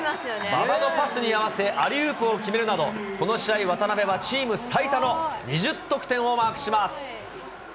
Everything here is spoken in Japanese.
馬場のパスに合わせ、を決めるなど、この試合、渡邊はチーム最多の２０得点をマークします。